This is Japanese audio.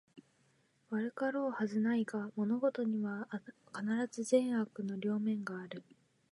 悪かろうはずはないが、物事には必ず善悪の両面がある